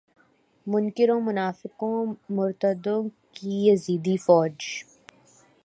منکروں منافقوں مرتدوں کی یزیدی فوج